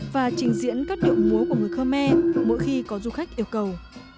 và trình diễn các điệu múa của người khmer mỗi khi có du khách yêu cầu